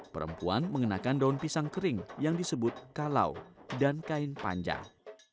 perempuan mengenakan daun pisang kering yang disebut kalau dan kain panjang